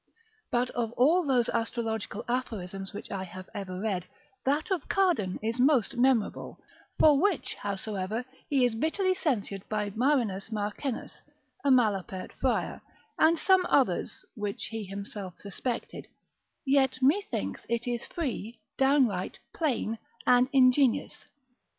But of all those astrological aphorisms which I have ever read, that of Cardan is most memorable, for which howsoever he is bitterly censured by Marinus Marcennus, a malapert friar, and some others (which he himself suspected) yet methinks it is free, downright, plain and ingenious.